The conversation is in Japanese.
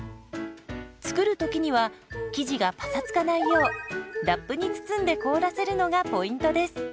作る時には生地がパサつかないようラップに包んで凍らせるのがポイントです。